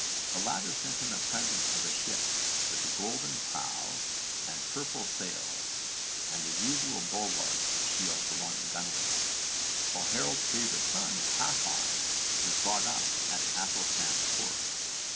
The latter sent him a present of a ship with golden prow and purple sails and the usual bulwark of shields along the gunwale, while Harold's favourite son Hákon was brought up at Aethelstan's court.